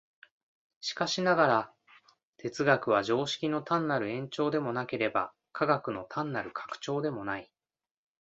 しかしながら、哲学は常識の単なる延長でもなければ、科学の単なる拡張でもない。